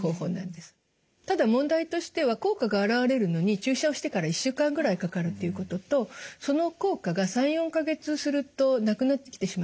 ただ問題としては効果があらわれるのに注射をしてから１週間ぐらいかかるっていうこととその効果が３４か月するとなくなってきてしまいます。